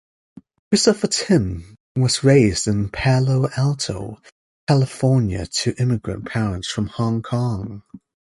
Christopher Tin was raised in Palo Alto, California to immigrant parents from Hong Kong.